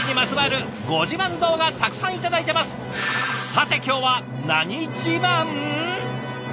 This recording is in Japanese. さて今日は何自慢？